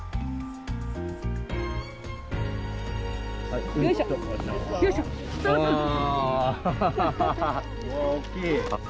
大きい！